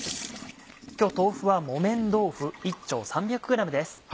今日豆腐は木綿豆腐１丁３００ｇです。